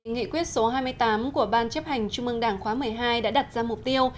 nghị quyết số hai mươi tám của ban chấp hành trung mương đảng khóa một mươi hai đã đặt ra mục tiêu